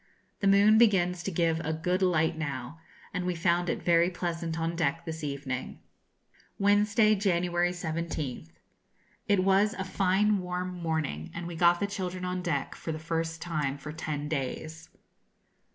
The moon begins to give a good light now, and we found it very pleasant on deck this evening. Wednesday, January 17th. It was a fine warm morning, and we got the children on deck for the first time for ten days.